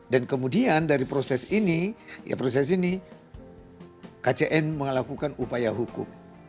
dan kemudian dari proses ini ya proses ini kcn melakukan upaya hukum